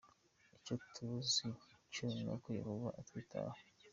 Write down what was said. Icyo tuzi cyo ni uko Yehova ‘akwitaho’ .